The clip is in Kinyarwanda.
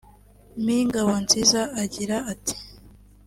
Me Ngabonziza agira ati